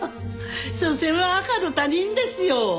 しょせんは赤の他人ですよ。